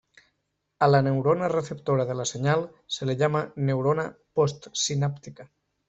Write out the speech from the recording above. A la neurona receptora de la señal se le llama neurona postsináptica.